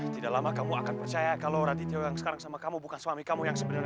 tidak lama kamu akan percaya kalau radityo yang sekarang sama kamu bukan suami kamu yang sebenarnya